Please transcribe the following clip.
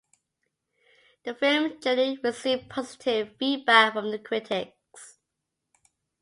The film generally received positive feedback from the critics.